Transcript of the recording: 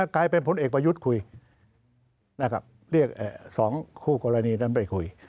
กลายเป็นผลเอกประยุทธ์คุยนะครับเรียก๒คู่กรณีนั้นไปคุย